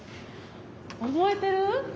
覚えてる？